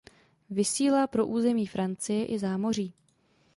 Vysílá pro území Francie i zámoří.